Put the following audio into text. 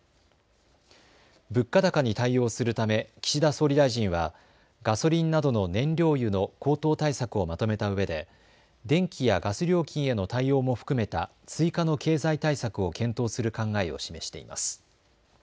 物価高に対応するため岸田総理大臣はガソリンなどの燃料油の高騰対策をまとめたうえで電気やガス料金への対応も含めた追加の経済対策を検討する考えを示しています。